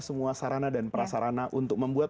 semua sarana dan prasarana untuk membuat